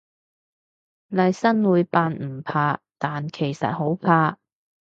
利申會扮唔怕，但其實好怕